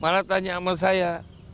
malah tanya sama saya